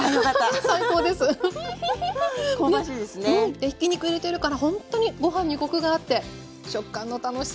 でひき肉入れてるからほんとにご飯にコクがあって食感の楽しさもうれしいです。